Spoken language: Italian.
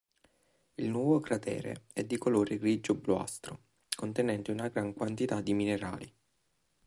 Il nuovo cratere è di colore grigio bluastro contenente una gran quantità di minerali.